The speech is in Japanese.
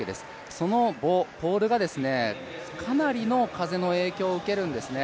その棒、ポールがかなりの風の影響を受けるんですね。